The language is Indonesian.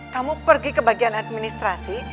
kamu pergi ke bagian administrasi